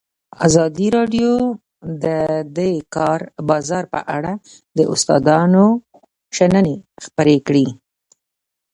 ازادي راډیو د د کار بازار په اړه د استادانو شننې خپرې کړي.